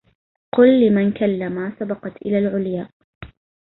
قل لمن كلما سبقت إلى العلياء